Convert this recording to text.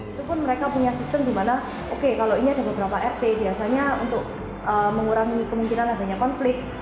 itu pun mereka punya sistem di mana oke kalau ini ada beberapa rt biasanya untuk mengurangi kemungkinan adanya konflik